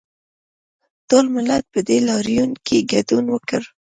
ټول ملت په دې لاریون کې ګډون وکړ